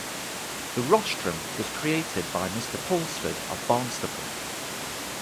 The rostrum was created by Mister Pulsford of Barnstaple.